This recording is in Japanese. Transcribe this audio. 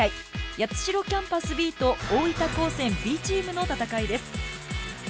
八代キャンパスＢと大分高専Ｂチームの戦いです。